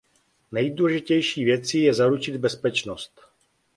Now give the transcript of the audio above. Nejdůležitější věcí je zaručit bezpečnost.